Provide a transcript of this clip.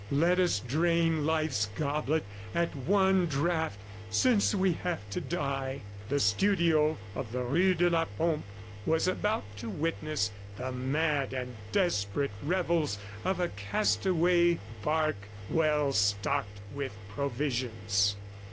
Let us drain Life's goblet at one draught since we have to die! ... The studio of the rue de la Pompe was about to witness the mad and desperate revels of a castaway bark well stocked with provisions.